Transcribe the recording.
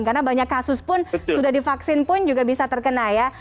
karena banyak kasus pun sudah divaksin pun juga bisa terkena ya